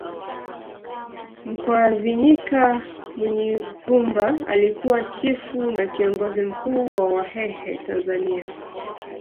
Mkwavinyika Munyigumba alikuwa chifu na kiongozi mkuu wa Wahehe Tanzania